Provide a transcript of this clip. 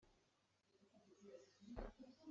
Khau hri cu saram hrennak ah a ṭha.